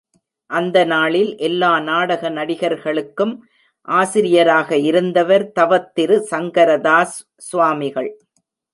அந்த நாளில் எல்லா நாடக நடிகர்களுக்கும் ஆசிரியராக இருந்தவர் தவத்திரு சங்கரதாஸ் சுவாமிகள்.